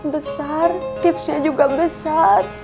besar tipsnya juga besar